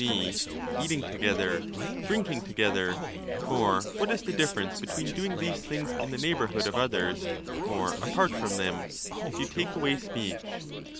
g. eating together, drinking together ; for what is the difference between doing these things in the neighbourhood of others or apart from them, if you take away speech